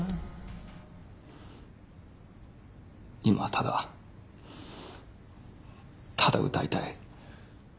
今はただただ歌いたい。